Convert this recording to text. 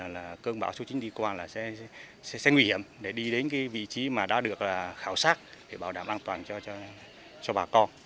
là cơn bão số chín đi qua sẽ nguy hiểm để đi đến vị trí đã được khảo sát để bảo đảm an toàn cho bà con